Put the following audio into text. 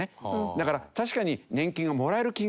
だから確かに。